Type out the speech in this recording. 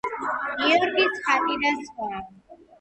გიორგის ხატი და სხვა.